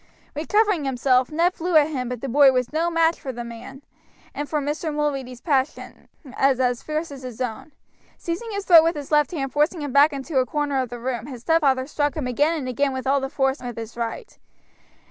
Recovering himself, Ned flew at him, but the boy was no match for the man, and Mr. Mulready's passion was as fierce as his own; seizing his throat with his left hand and forcing him back into a corner of the room, his stepfather struck him again and again with all his force with his right.